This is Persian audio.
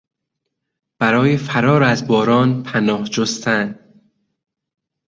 برای فرار از باران پناه جستن